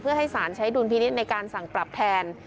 เพื่อให้สารใช้ดุลพินิษฐ์ในการสั่งปรับแทน